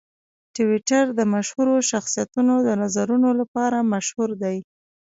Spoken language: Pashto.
ټویټر د مشهورو شخصیتونو د نظرونو لپاره مشهور دی.